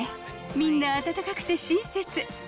みんな温かくて親切。